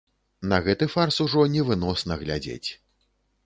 На гэты фарс ужо невыносна глядзець.